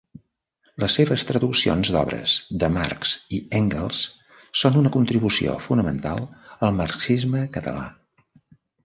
Les seves traduccions d'obres de Marx i Engels són una contribució fonamental al marxisme català.